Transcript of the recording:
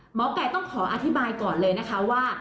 หมอไก่ต้องขออธิบายก่อนเลยนะคะว่า